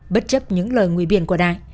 bất chấp những lời nguy biển quả đại